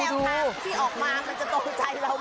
ว่าแนวทางที่ออกมามันจะตกใจเราไหม